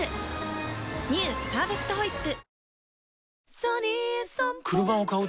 「パーフェクトホイップ」